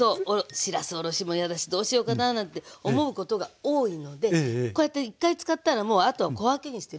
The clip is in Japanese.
しらすおろしも嫌だしどうしようかなぁなんて思うことが多いのでこうやって１回使ったらもうあとは小分けにして冷凍しとくの。